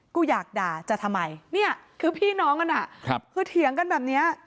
กูอยากด่าจะทำไมเนี่ยคือพี่น้องกันคือเถียงกันแบบนี้